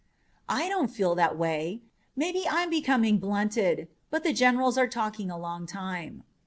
"I don't feel that way. Maybe I'm becoming blunted. But the generals are talking a long time."